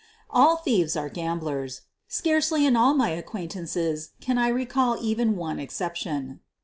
All thieves are gamblers — scarcely in all my ac quaintances can I recall even one exception.